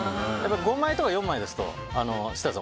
５枚とか４枚ですと設楽さん